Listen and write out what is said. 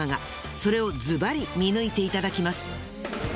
それをズバリ見抜いていただきます。